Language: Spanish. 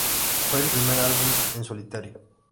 Fue su primer álbum en solitario.